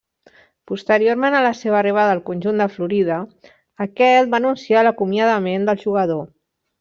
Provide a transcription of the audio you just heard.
Posteriorment a la seva arribada al conjunt de Florida, aquest va anunciar l'acomiadament del jugador.